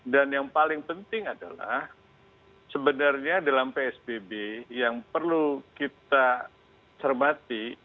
dan yang paling penting adalah sebenarnya dalam psbb yang perlu kita cermati